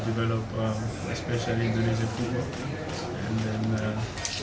dan semoga saya bisa mencapai kemampuan untuk membangun